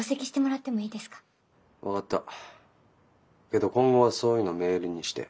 けど今後はそういうのメールにして。